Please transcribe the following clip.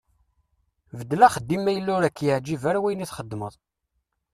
Beddel axeddim ma yella ur ak-yeɛǧib ara wayen i txeddmeḍ.